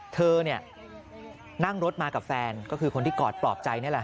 เธอนั่งรถมากับแฟนก็คือคนที่กอดปลอบใจนี่แหละ